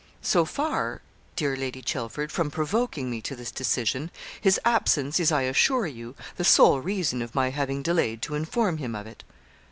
'So far, dear Lady Chelford, from provoking me to this decision, his absence is, I assure you, the sole reason of my having delayed to inform him of it.'